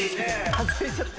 外れちゃった。